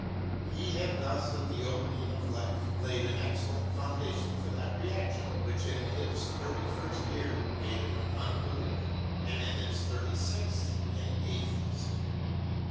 He had thus, at the opening of life, laid an excellent foundation for that reaction which in his thirty first year made him an MARY WOLLSTONECRABT 71 unbeliever, and in his thirty sixth an atheist.